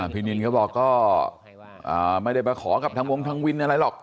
นินเขาบอกก็ไม่ได้มาขอกับทางวงทางวินอะไรหรอก